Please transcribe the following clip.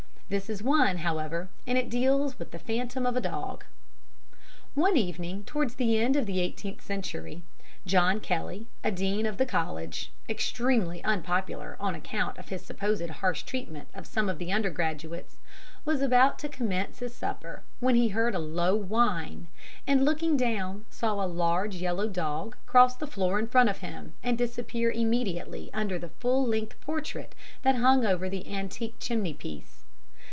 This is one, however, and it deals with the phantom of a dog: "One evening, towards the end of the eighteenth century, John Kelly, a Dean of the College (extremely unpopular on account of his supposed harsh treatment of some of the undergraduates), was about to commence his supper, when he heard a low whine, and looking down, saw a large yellow dog cross the floor in front of him, and disappear immediately under the full length portrait that hung over the antique chimney piece.